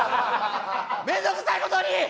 面倒くさいことに！